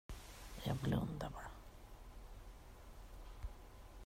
Jag blundar bara.